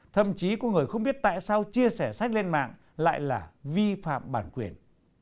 thậm chí có người không biết tại sao chia sẻ sách lên mạng lại là vi phạm bản quyền